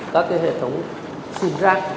các cái hệ thống xuyên rác